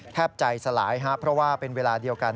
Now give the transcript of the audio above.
แทบใจสลายเพราะว่าเป็นเวลาเดียวกัน